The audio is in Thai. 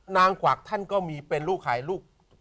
กวักท่านก็มีเป็นลูกขายลูก